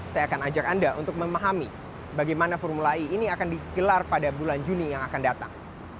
saya akan ajak anda untuk memahami bagaimana formula e ini akan digelar pada bulan juni yang akan datang